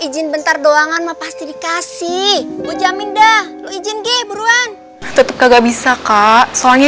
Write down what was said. izin bentar doang anma pasti dikasih ujamin dah lu izin g buruan tetep kagak bisa kak soalnya